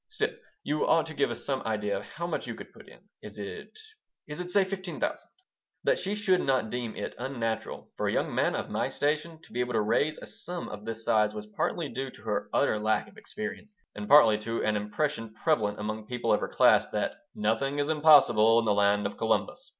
"Still, you ought to give us some idea how much you could put in. Is it is it, say, fifteen thousand?" That she should not deem it unnatural for a young man of my station to be able to raise a sum of this size was partly due to her utter lack of experience and partly to an impression prevalent among people of her class that "nothing is impossible in the land of Columbus."